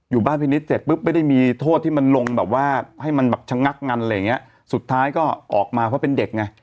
บ้านพี่นิดเสร็จปุ๊บไม่ได้มีโทษที่มันลงแบบว่าให้มันแบบชะงักงันอะไรอย่างเงี้ยสุดท้ายก็ออกมาเพราะเป็นเด็กไง